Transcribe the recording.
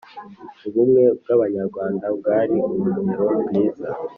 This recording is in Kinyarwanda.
ubumwe bw'abanyarwanda bwari urugero rwiza